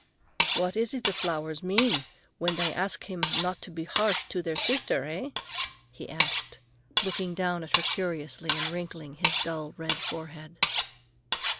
"What is it the flowers mean when they ask him not to be harsh to their sister, eh?" he asked, looking down at her curiously and wrinkling his dull red forehead.